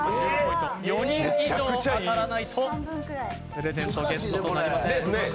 ４人以上当たらないとプレゼントゲットとなりません。